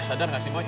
eh sadar gak sih boy